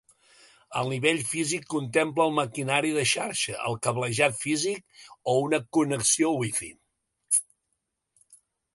El nivell físic contempla el maquinari de xarxa, el cablejat físic o una connexió Wi-Fi.